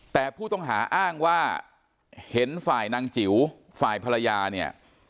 แต่ผู้ต้องหาอ้างว่าเห็นฝ่ายนางจิ๋วฝ่ายภรรยาเนี่ย